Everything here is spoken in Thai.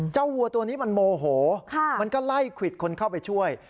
วัวตัวนี้มันโมโหมันก็ไล่ควิดคนเข้าไปช่วย